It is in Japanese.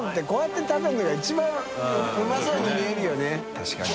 確かに。